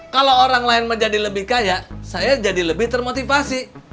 kalau orang lain menjadi lebih kaya saya jadi lebih termotivasi